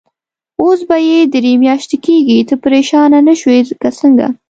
اوس به یې درې میاشتې کېږي، ته پرېشانه نه شوې که څنګه؟